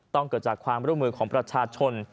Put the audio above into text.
เกิดจากความร่วมมือของประชาชน